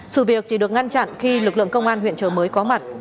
sự việc chỉ được ngăn chặn khi lực lượng công an huyện trợ mới có mặt